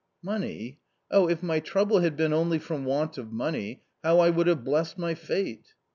" Money ! oh, if my trouble had been only from want of money, how I would have blessed my fate